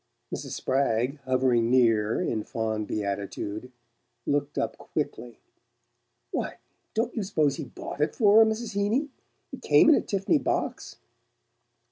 Mrs. Spragg, hovering near in fond beatitude, looked up quickly. "Why, don't you s'pose he BOUGHT it for her, Mrs. Heeny? It came in a Tiff'ny box."